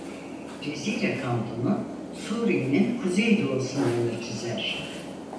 Cezire Kantonu Suriye'nin kuzeydoğu sınırını çizer.